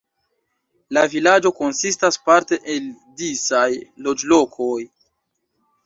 La vilaĝo konsistas parte el disaj loĝlokoj.